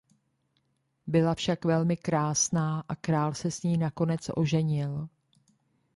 Byla však velmi krásná a král se s ní nakonec oženil.